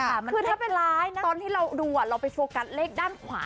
คือถ้าเป็นร้ายนะตอนที่เราดูเราไปโฟกัสเลขด้านขวา